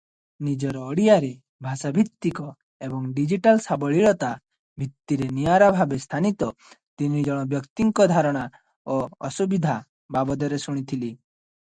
ନିଜର ଓଡ଼ିଆରେ ଭାଷାଭିତ୍ତିକ ଏବଂ ଡିଜିଟାଲ ସାବଲୀଳତା ଭିତ୍ତିରେ ନିଆରା ଭାବେ ସ୍ଥାନୀତ ତିନି ଜଣ ବ୍ୟକ୍ତିଙ୍କ ଧାରଣା ଓ ଅସୁବିଧା ବାବଦରେ ଶୁଣିଥିଲି ।